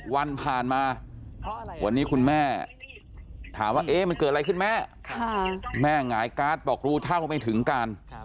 วันผ่านมาวันนี้คุณแม่ถามว่ามันเกิดอะไรขึ้นแม่แม่หงายการ์ดบอกรู้เท่าไม่ถึงการ